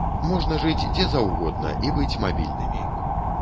Можна жыць дзе заўгодна і быць мабільнымі.